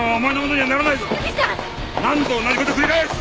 何度同じ事を繰り返す！